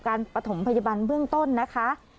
ปฐมพยาบาลเบื้องต้นนะคะ